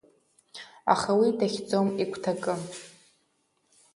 Аха уи дахьӡом игәҭакы.